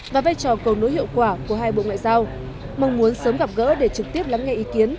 và vai trò cầu nối hiệu quả của hai bộ ngoại giao mong muốn sớm gặp gỡ để trực tiếp lắng nghe ý kiến